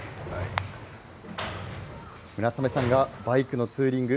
村雨さんがバイクのツーリング